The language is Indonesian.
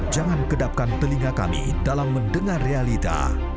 jangan kedapkan telinga kami dalam mendengar realita